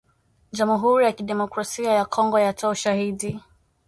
jamhuri ya kidemokrasia ya Kongo yatoa ushahidi